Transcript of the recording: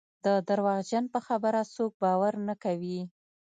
د درواغجن په خبره څوک باور نه کوي.